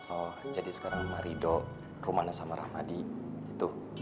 oh jadi sekarang marido rumana sama rahmadi itu